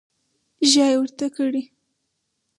ژای ورنه کړي.